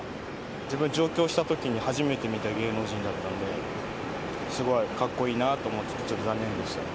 自分、上京したときに初めて見た芸能人だったので、すごいかっこいいなと思ってたので、残念でしたね。